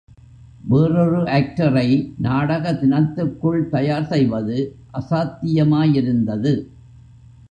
வேறொரு ஆக்டரை நாடக தினத்துக்குள் தயார் செய்வது அசாத்தியமாயிருந்தது.